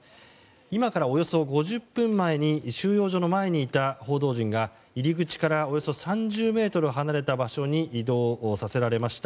今からおよそ５０分前に収容所の前にいた報道陣が入り口からおよそ３０ｍ離れた場所に移動させられました。